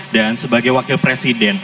dan sebagai wakil presiden